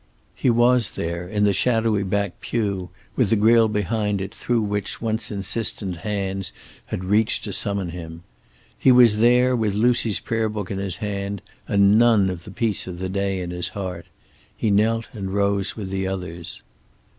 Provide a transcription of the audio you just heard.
He was there, in the shadowy back pew, with the grill behind it through which once insistent hands had reached to summon him. He was there, with Lucy's prayer book in his hand, and none of the peace of the day in his heart. He knelt and rose with the others.